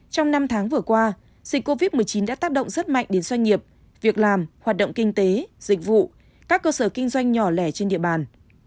trong năm tháng vừa qua dịch covid một mươi chín đã tác động rất mạnh đến doanh nghiệp việc làm hoạt động kinh tế dịch vụ các cơ sở kinh doanh nhỏ lẻ trên địa bàn